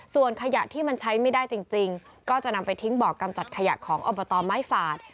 ส่วนขยะที่มันใช้ไม่ได้จริงก็จะนำไปทิ้งบ่อกำจัดขยะของอบตไม้ฝาด